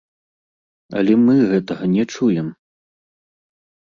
Але мы гэтага не чуем!